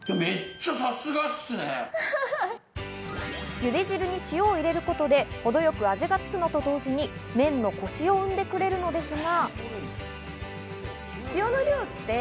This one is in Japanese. ゆで汁に塩を入れることで程よく味がつくのと同時に麺のコシを生んでくれるのですが。